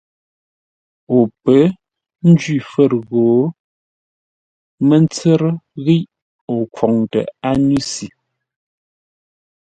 O pə̌ njwí fə̂r gho mə́ tsə́rə́ ghiʼ o khwoŋtə ányúsʉ.